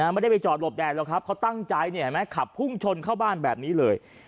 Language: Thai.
ไม่ได้ไปจอดหลบแดงหรอกครับเขาตั้งใจขับพุ่งชนเข้าบ้านแบบนี้เลย